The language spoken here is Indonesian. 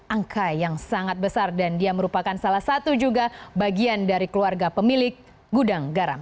angka yang sangat besar dan dia merupakan salah satu juga bagian dari keluarga pemilik gudang garam